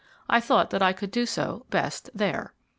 I thought that I could do so best there.